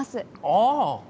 ああ！